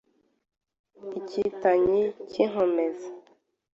Ikitanyica, kinkomeza.